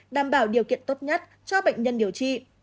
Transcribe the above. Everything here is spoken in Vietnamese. đảm bảo điều kiện tốt nhất cho bệnh nhân điều trị